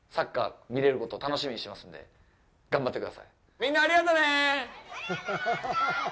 みんな、ありがとね。